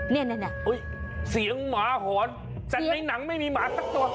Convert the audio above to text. เนี่ยเฮ้ยเสียงหมาหอนเสียงในหนังไม่มีหมาทั้งตัว